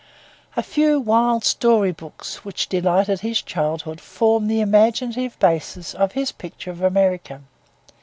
A few wild story books which delighted his childhood form the imaginative basis of his picture of America.